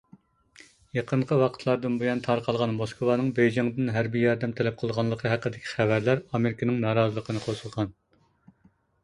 يېقىنقى ۋاقىتلاردىن بۇيان تارقالغان موسكۋانىڭ بېيجىڭدىن ھەربىي ياردەم تەلەپ قىلغانلىقى ھەققىدىكى خەۋەرلەر ئامېرىكىنىڭ نارازىلىقىنى قوزغىغان.